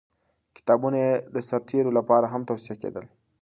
کتابونه یې د سرتېرو لپاره هم توصیه کېدل.